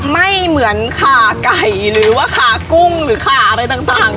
ไม่เหมือนขาไก่หรือว่าขากุ้งหรือขาอะไรต่าง